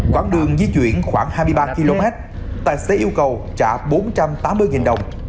quảng đường di chuyển khoảng hai mươi ba km tài xế yêu cầu trả bốn trăm tám mươi đồng